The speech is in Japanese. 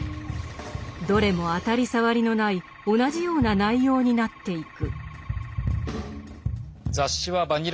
どれも当たり障りのない同じような内容になっていく。